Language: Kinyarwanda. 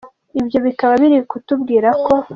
Ibyo bikaba biri kutubwira ko :.